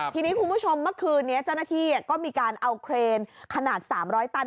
ทีนี้คุณผู้ชมเมื่อคืนนี้เจ้าหน้าที่ก็มีการเอาเครนขนาด๓๐๐ตัน